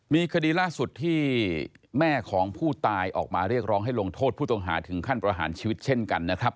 มีคดีล่าสุดที่แม่ของผู้ตายออกมาเรียกร้องให้ลงโทษผู้ต้องหาถึงขั้นประหารชีวิตเช่นกันนะครับ